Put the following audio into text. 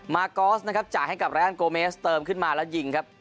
มากอสนะครับจ่ายให้กับรายอันโกเมสเติมขึ้นมาแล้วยิงครับ